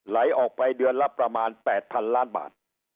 ไหลออกไปเดือนละประมาณ๘๐๐๐ล้านบาท